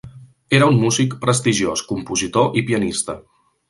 Era un músic prestigiós, compositor i pianista.